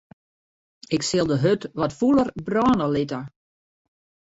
Ik sil de hurd wat fûler brâne litte.